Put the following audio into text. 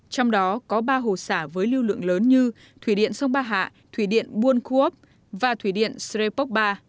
trong đó có ba hồ xả với lưu lượng lớn như thủy điện sông ba hạ thủy điện buôn khu ốc và thủy điện srepoch ba